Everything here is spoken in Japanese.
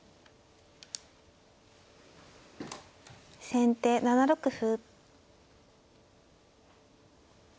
先手７六歩。